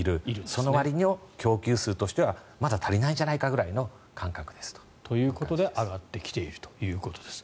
そのわりに供給数としてはまだ足りないんじゃないかという感覚です。ということで上がってきているということです。